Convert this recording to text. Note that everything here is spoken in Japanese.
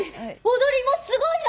踊りもすごいの！